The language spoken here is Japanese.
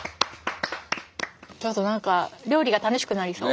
ちょっと何か料理が楽しくなりそう。